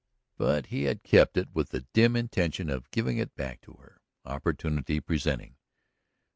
But he had kept it with the dim intention of giving it back to her, opportunity presenting.